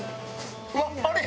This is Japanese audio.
うわっあれ？